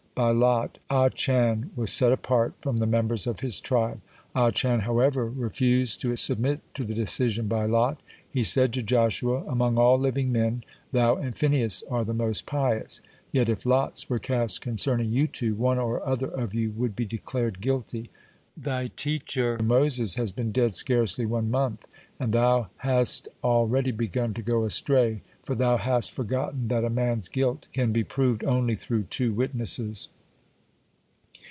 (28) By lot Achan was set apart from the members of his tribe. Achan, however, refused to submit to the decision by lot. He said to Joshua: "Among all living men thou and Phinehas are the most pious. Yet, if lots were cast concerning you two, one or other of you would be declared guilty. Thy teacher Moses has been dead scarcely one month, and thou has already begun to go astray, for thou hast forgotten that a man's guilt can be proved only through two witnesses."